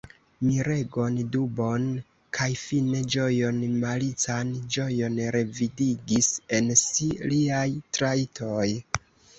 Miregon, dubon kaj fine ĝojon, malican ĝojon revidigis en si liaj trajtoj.